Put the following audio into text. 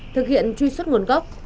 thực hiện truy xuất nguồn gốc